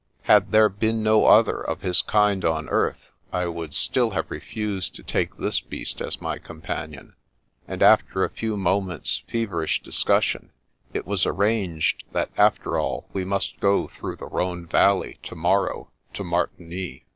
Had there been no other of his kind on earth, I would still have refused to take this beast as my companion; and after a few mo ments' feverish discussion, it was arranged that after all we must go through the Rhone Valley to morrow to Martigny.